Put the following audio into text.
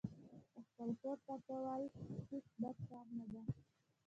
د خپل کور پاکول هیڅ بد کار نه ده.